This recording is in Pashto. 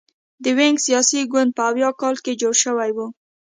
د ویګ سیاسي ګوند په اویا کال کې جوړ شوی و.